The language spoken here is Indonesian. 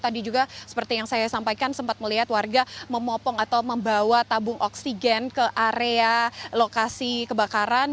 tadi juga seperti yang saya sampaikan sempat melihat warga memopong atau membawa tabung oksigen ke area lokasi kebakaran